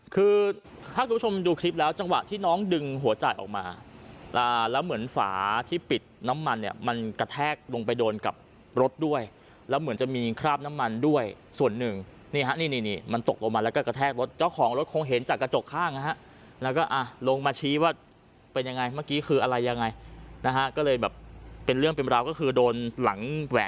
คือถ้าคุณผู้ชมดูคลิปแล้วจังหวะที่น้องดึงหัวจ่ายออกมาแล้วเหมือนฝาที่ปิดน้ำมันเนี่ยมันกระแทกลงไปโดนกับรถด้วยแล้วเหมือนจะมีคราบน้ำมันด้วยส่วนหนึ่งนี่ฮะนี่นี่มันตกลงมาแล้วก็กระแทกรถเจ้าของรถคงเห็นจากกระจกข้างนะฮะแล้วก็อ่ะลงมาชี้ว่าเป็นยังไงเมื่อกี้คืออะไรยังไงนะฮะก็เลยแบบเป็นเรื่องเป็นราวก็คือโดนหลังแหว